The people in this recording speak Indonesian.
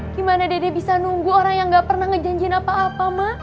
gimana dede bisa nunggu orang yang nggak pernah ngejanjin apa apa mah